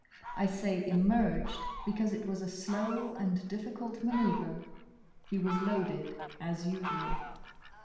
I say emerged, because it was a slow and difficult manoeuvre. He was loaded as usual.